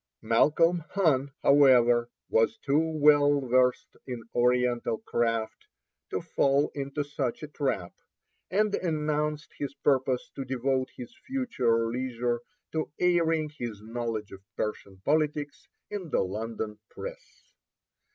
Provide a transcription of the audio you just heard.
Malcolm Khan, however, was too well versed in Oriental craft to fall into such a trap, and announced his purpose to devote his future leisure to airing his knowledge of Persian politics in the London press.